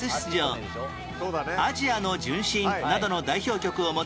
『アジアの純真』などの代表曲を持つ